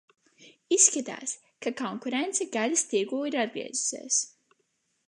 Izskatās, ka konkurence gaļas tirgū ir atgriezusies!